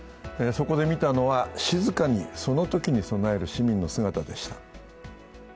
そこで見たのは静かにそのときに備える市民の姿でした。